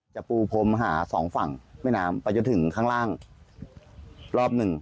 จะปูพรมผ่า๒ฝั่งแม่น้ำไปจนถึงข้างล่างรอบนึง